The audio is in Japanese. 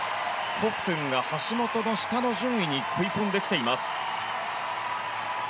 コフトゥンが橋本の下の順位に食い込んできています。